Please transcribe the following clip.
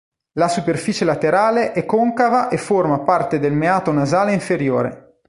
La "superficie laterale" è concava e forma parte del meato nasale inferiore.